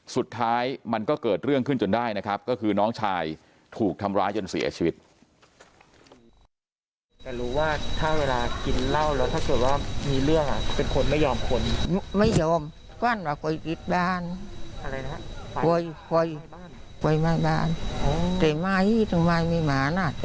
สุดท้ายมันก็เกิดเรื่องขึ้นจนได้นะครับก็คือน้องชายถูกทำร้ายจนเสียชีวิต